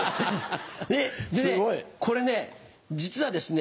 でこれ実はですね